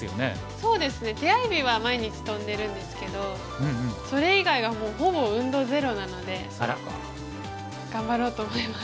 そうですね手合日は毎日跳んでるんですけどそれ以外はほぼ運動ゼロなので頑張ろうと思います。